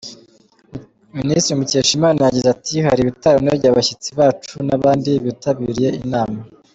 Minisitiri Mukeshimana yagize ati "Hari ibitaranogeye abashyitsi bacu n’abandi bitabiriye inama.